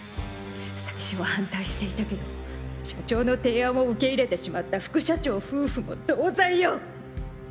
最初は反対していたけど社長の提案を受け入れてしまった副社長夫婦も同罪よ。